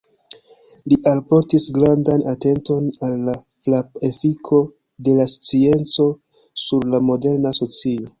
Li alportis grandan atenton al la frap-efiko de la scienco sur la moderna socio.